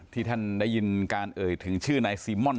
ที่ท่านได้ยินการเอ่ยถึงชื่อนายซีม่อน